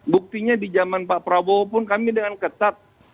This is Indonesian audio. buktinya di zaman pak prabowo pun kami dengan ketat